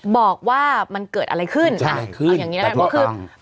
บอกว่ามันเกิดอะไรขึ้นเอาอย่างนี้นะครับ